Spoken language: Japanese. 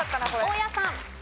大家さん。